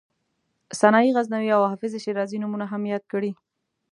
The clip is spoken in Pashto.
سنایي غزنوي او حافظ شیرازي نومونه هم یاد کړي.